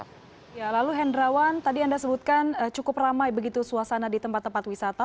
ya lalu hendrawan tadi anda sebutkan cukup ramai begitu suasana di tempat tempat wisata